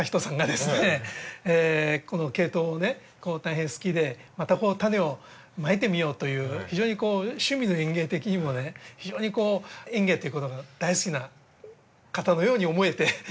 このケイトウを大変好きでまた種をまいてみようという非常に「趣味の園芸」的にもね非常にこう園芸っていうことが大好きな方のように思えて。